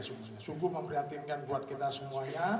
sungguh memprihatinkan buat kita semuanya